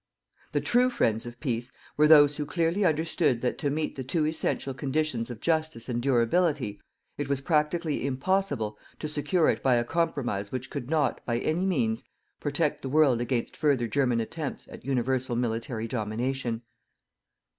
The TRUE friends of PEACE were those who clearly understood that to meet the two essential conditions of JUSTICE and DURABILITY, it was PRACTICALLY IMPOSSIBLE to secure it by a compromise which could not, by any means, protect the world against further German attempts at universal military domination.